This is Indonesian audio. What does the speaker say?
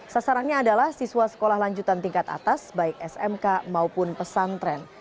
sasarannya adalah siswa sekolah lanjutan tingkat atas baik smk maupun pesantren